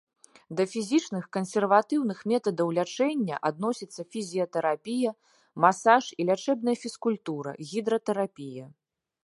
Да фізічных кансерватыўных метадаў лячэння адносяцца фізіятэрапія, масаж і лячэбная фізкультура, гідратэрапія.